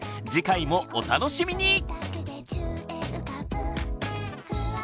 次回もお楽しみに！